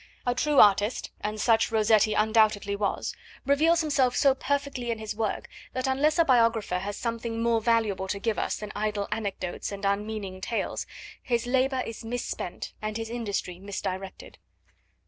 A true artist, and such Rossetti undoubtedly was, reveals himself so perfectly in his work, that unless a biographer has something more valuable to give us than idle anecdotes and unmeaning tales, his labour is misspent and his industry misdirected.